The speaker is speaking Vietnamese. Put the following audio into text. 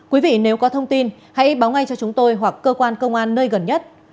quý vị nếu có thông tin hãy báo ngay cho chúng tôi hoặc cơ quan công an nơi gần nhất